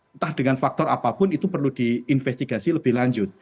entah dengan faktor apapun itu perlu diinvestigasi lebih lanjut